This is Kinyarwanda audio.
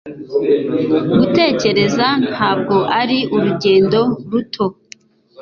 Gutekereza ntabwo ari urugendo ruto